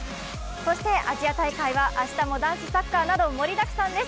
そして、アジア大会は明日も男子サッカーなど盛りだくさんです。